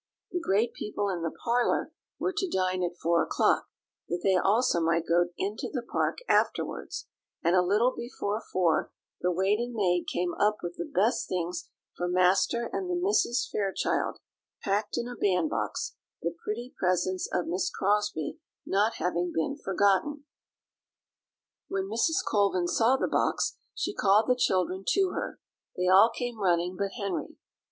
The great people in the parlour were to dine at four o'clock, that they also might go into the park afterwards; and a little before four the waiting maid came up with the best things for Master and the Misses Fairchild, packed in a bandbox, the pretty presents of Miss Crosbie not having been forgotten. When Mrs. Colvin saw the box she called the children to her; they all came running but Henry.